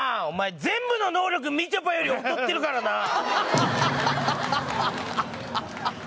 お前全部の能力みちょぱより劣ってるからな